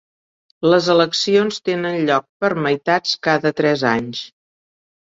Les eleccions tenen lloc per meitats cada tres anys.